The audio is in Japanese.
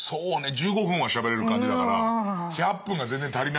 １５分はしゃべれる感じだから１００分が全然足りないんですよ。